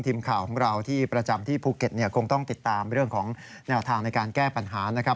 ทีมข่าวของเราที่ประจำที่ภูเก็ตเนี่ยคงต้องติดตามเรื่องของแนวทางในการแก้ปัญหานะครับ